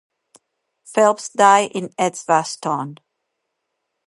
Phelps died in Edgbaston.